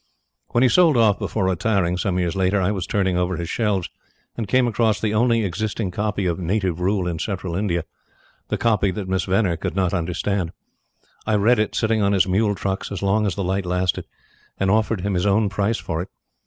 When he sold off before retiring, some years later, I was turning over his shelves, and came across the only existing copy of "Native Rule in Central India" the copy that Miss Venner could not understand. I read it, sitting on his mule trucks, as long as the light lasted, and offered him his own price for it.